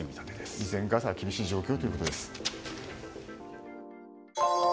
依然ガザは厳しい状況だということです。